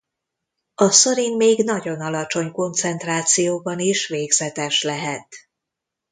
A szarin még nagyon alacsony koncentrációban is végzetes lehet.